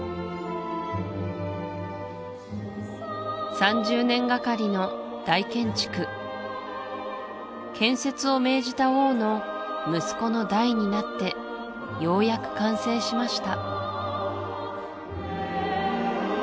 ３０年がかりの大建築建設を命じた王の息子の代になってようやく完成しました